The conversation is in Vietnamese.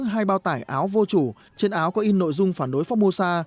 hai bao tải áo vô chủ trên áo có in nội dung phản đối formosa